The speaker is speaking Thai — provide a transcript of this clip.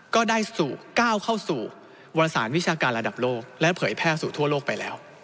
ก็ได้สู่ก้าวเข้าสู่วรสารวิชาการระดับโลกและเผยแพร่สู่ทั่วโลกไปแล้ว